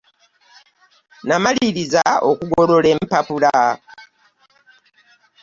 Namalirizza okugolola e mpapula.